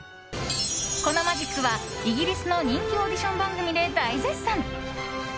このマジックは、イギリスの人気オーディション番組で大絶賛。